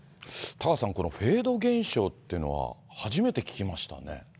タカさん、このフェード現象っていうのは、初めて聞きましたね。